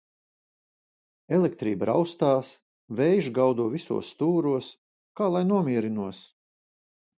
Elektrība raustās, vējš gaudo visos stūros. Kā lai nomierinos?